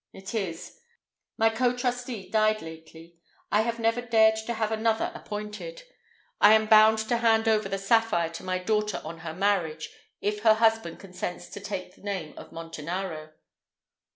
"It is. My co trustee died lately. I have never dared to have another appointed. I am bound to hand over the sapphire to my daughter on her marriage, if her husband consents to take the name of Montanaro."